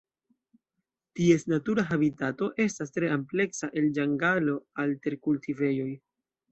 Ties natura habitato estas tre ampleksa el ĝangalo al terkultivejoj.